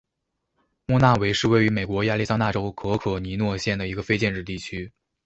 莫纳维是位于美国亚利桑那州可可尼诺县的一个非建制地区。